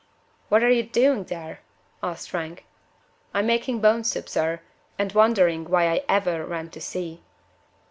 "What are you doing there?" asked Frank. "I'm making bone soup, sir, and wondering why I ever went to sea."